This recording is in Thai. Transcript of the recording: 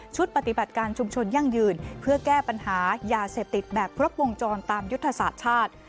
ปฏิบัติการชุมชนยั่งยืนเพื่อแก้ปัญหายาเสพติดแบบครบวงจรตามยุทธศาสตร์ชาติ